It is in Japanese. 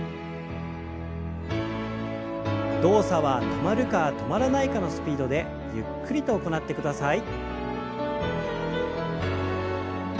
動作は止まるか止まらないかのスピードでゆっくりと行ってください。